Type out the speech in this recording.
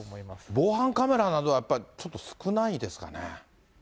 防犯カメラなどは、ちょっと少ないですかね。